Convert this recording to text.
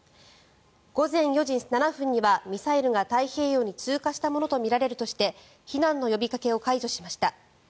午前４時７分にはミサイルが太平洋に通過したものとみられるとして避難の呼びかけを解除しました。